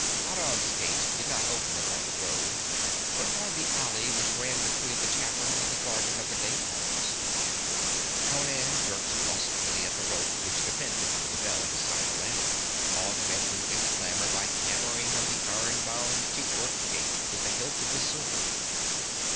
Aram's gate did not open upon the road, but upon the alley which ran between the tavern and the garden of the date palms. Conan jerked lustily at the rope which depended from the bell beside the lantern, augmenting its clamor by hammering on the iron bound teakwork gate with the hilt of his sword.